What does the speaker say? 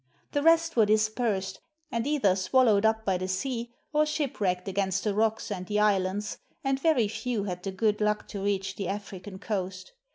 The rest were dispersed, and either swallowed up by the sea, or shipwrecked against the rocks and the islands, and very few had the good luck to reach the African coast.